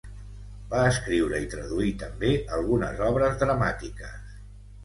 Va escriure i traduir també algunes obres dramàtiques.